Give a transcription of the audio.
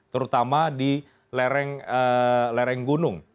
terutama di lereng gunung